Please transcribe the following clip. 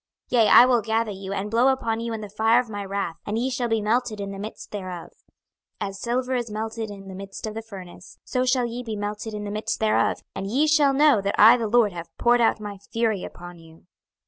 26:022:021 Yea, I will gather you, and blow upon you in the fire of my wrath, and ye shall be melted in the midst therof. 26:022:022 As silver is melted in the midst of the furnace, so shall ye be melted in the midst thereof; and ye shall know that I the LORD have poured out my fury upon you.